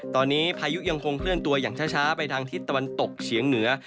ตอนนี้พายุยังคงเคลื่อนตัวอย่างช้าไปทางทิศตะวันตกเฉียงเหนือ